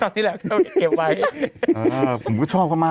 กระดาษที่ยัดในท้าวนั่นจะจับดูใช่ไหมถุงเท้าหรือเปล่า